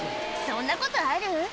そんなことある？